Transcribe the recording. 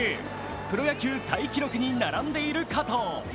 プロ野球タイ記録に並んでいる加藤。